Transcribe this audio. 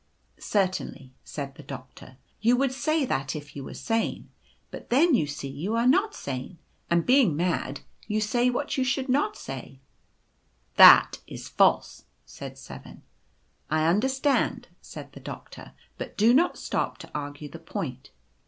'" c Certainly/ said the Doctor, ' you would say that if you were sane; but then, you see, you are not sane, and being mad you say what you should not say/ " i That is false/ said 7. €<< I understand,' said the Doctor, i but do not stop to argue the point.